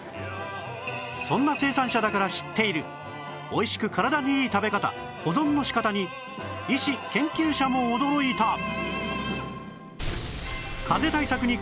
そんな生産者だから知っているおいしく体にいい食べ方保存の仕方に医師・研究者も驚いた！